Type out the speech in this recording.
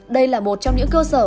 đây là một trong những cơ sở